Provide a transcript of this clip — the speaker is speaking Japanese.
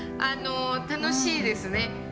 あの楽しいですね。